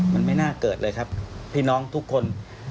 มันไม่น่าเกิดเลยครับพี่น้องทุกคน